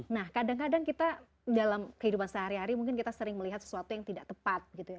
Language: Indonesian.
nah kadang kadang kita dalam kehidupan sehari hari mungkin kita sering melihat sesuatu yang tidak tepat gitu ya